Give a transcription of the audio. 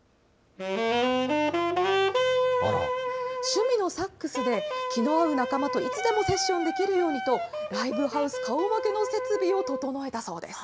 趣味のサックスで、気の合う仲間といつでもセッションできるようにと、ライブハウス顔負けの設備を整えたそうです。